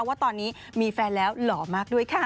ว่าตอนนี้มีแฟนแล้วหล่อมากด้วยค่ะ